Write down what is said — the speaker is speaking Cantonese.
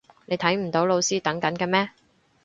你睇唔到老師等緊嘅咩？